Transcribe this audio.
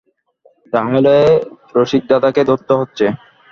তা হলে রসিকদাদাকে ধরতে হচ্ছে।